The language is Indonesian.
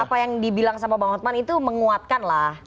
apa yang dibilang sama bang hotman itu menguatkan lah